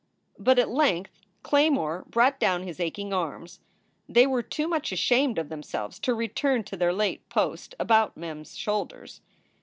But at length Claymore brought down his aching arms. They were too much ashamed of themselves to return to their late post about Mem s shoulders.